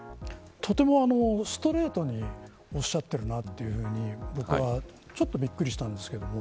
とてもストレートにおっしゃってるなというふうに僕は、ちょっとびっくりしたんですけれども。